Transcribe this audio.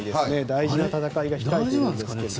大事な戦いが控えているんですが。